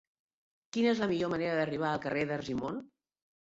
Quina és la millor manera d'arribar al carrer d'Argimon?